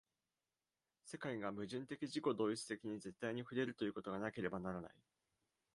世界が矛盾的自己同一的に絶対に触れるということがなければならない。